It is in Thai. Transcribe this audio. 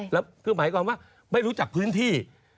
หมายถึงว่าไม่รู้จักพื้นที่